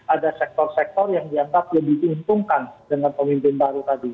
ada sektor sektor yang dianggap lebih diuntungkan dengan pemimpin baru tadi